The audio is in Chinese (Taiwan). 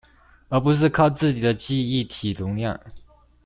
而不是只靠自己的記憶體容量